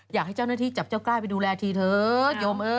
อยากให้เจ้าหน้าที่จับเจ้ากล้ายไปดูแลทีเถอะโยม